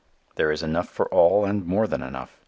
There is enough for all and more than enough.